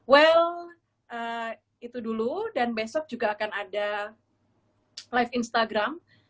well itu dulu dan besok juga akan ada live instagram